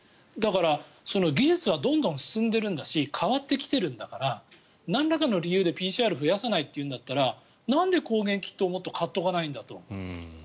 だから、技術はどんどん進んでいるんだし変わってきてるんだからなんらかの理由でＰＣＲを増やさないというんだったらなんで抗原キットをもっと買っておかないんだと。